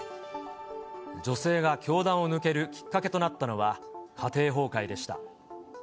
女性が教団を抜けるきっかけとなったのは、家庭崩壊でした。